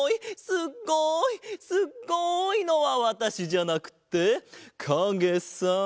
すっごい！」のはわたしじゃなくてかげさ。